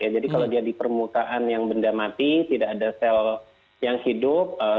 jadi kalau dia di permukaan yang benda mati tidak ada sel yang hidup